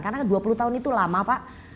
karena kan dua puluh tahun itu lama pak